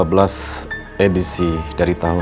dua belas edisi dari tahun dua ribu enam belas